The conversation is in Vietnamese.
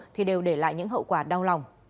thì đều để lại những hậu quả đau lòng